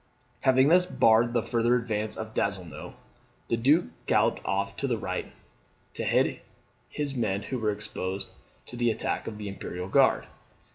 Having thus barred the farther advance of Donzelot, the Duke galloped off to the right to head his men who were exposed to the attack of the Imperial Guard.